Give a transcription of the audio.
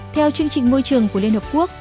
theo chương trình môi trường của liên hợp quốc